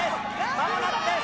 間もなくです。